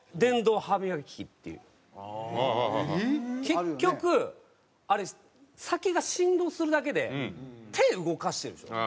結局あれ先が振動するだけで手動かしてるでしょ？